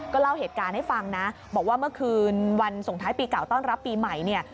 เล่าเหตุการณ์ให้ฟังนะบอกว่าเมื่อคืนวันส่งท้ายปีเก่าต้อนรับปีใหม่เนี่ย